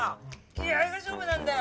気合が勝負なんだよ！